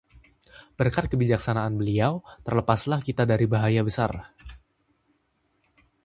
berkat kebijaksanaan beliau, terlepaslah kita dari bahaya besar